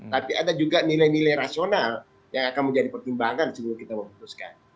tapi ada juga nilai nilai rasional yang akan menjadi pertimbangan sebelum kita memutuskan